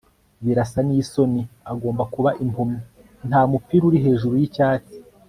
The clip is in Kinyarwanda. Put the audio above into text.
birasa nisoni, agomba kuba impumyi, ntamupira uri hejuru yicyatsi